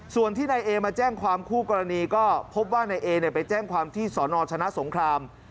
ส่วนที่นายเอมาแจ้งความคู่กรณีก็พบว่านายเอไปแจ้งความที่สอนอชนะสงคราม